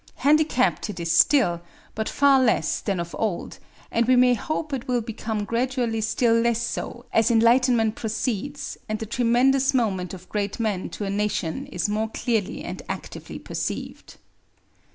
Handicapped it is still, but far less than of old; and we may hope it will become gradually still less so as enlightenment proceeds, and the tremendous moment of great men to a nation is more clearly and actively perceived.